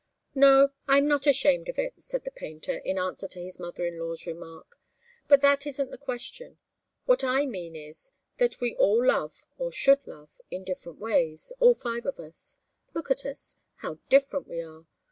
"No I'm not ashamed of it," said the painter, in answer to his mother in law's remark. "But that isn't the question. What I mean is, that we all love, or should love, in different ways all five of us. Look at us how different we are!